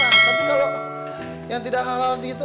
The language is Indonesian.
tapi kalau yang tidak halal di situ